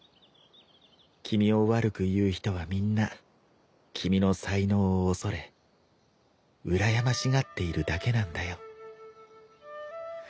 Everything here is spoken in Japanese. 君を悪く言う人はみんな君の才能を恐れうらやましがっているだけなんだよ。